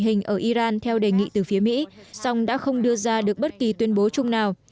hình ở iran theo đề nghị từ phía mỹ song đã không đưa ra được bất kỳ tuyên bố chung nào